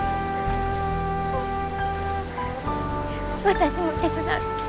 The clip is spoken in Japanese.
私も手伝う。